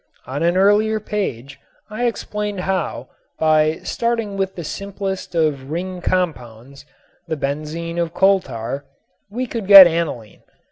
On an earlier page I explained how by starting with the simplest of ring compounds, the benzene of coal tar, we could get aniline.